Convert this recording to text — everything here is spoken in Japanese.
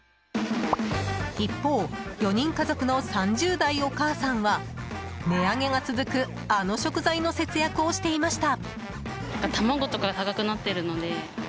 一方、４人家族の３０代お母さんは値上げが続くあの食材の節約をしていました。